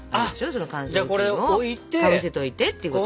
その乾燥ふきんをかぶせといてってこと。